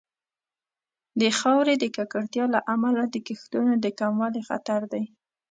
د خاورې د ککړتیا له امله د کښتونو د کموالي خطر دی.